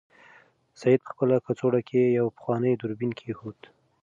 سعید په خپله کڅوړه کې یو پخوانی دوربین کېښود.